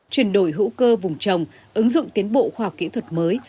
chuyển đổi hữu cơ vùng trồng ứng dụng tiến bộ khoa học kỹ thuật mới